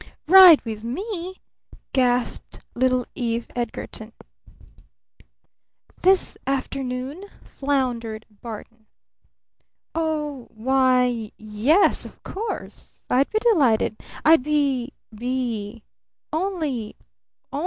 "Ride with me?" gasped little Eve Edgarton. "This afternoon?" floundered Barton. "Oh why yes of course! I'd be delighted! I'd be be! Only